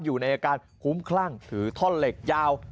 อยู่ในอาการคุ้มคลั่งถือท่อนเหล็กยาว